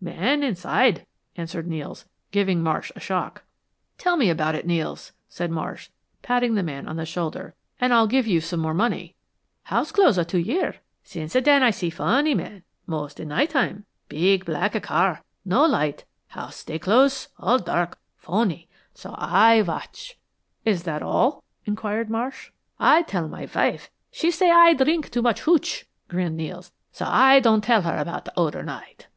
"Men inside," answered Nels, giving Marsh a shock. "Tell me all about it, Nels," said Marsh, patting the man on the shoulder, "and I'll give you some more money." "House close two year. Since den Aye see fonny men most in night time. Big, black car no light. House stay close all dark fonny so Aye watch." "Is that all?" inquired Marsh. "Aye tell my wife she say Aye drink too much hootch," grinned Nels. "So Aye don't tell her about deh oder night."